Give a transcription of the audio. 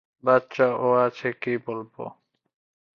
বাচ্চা ও আছে কি বলব!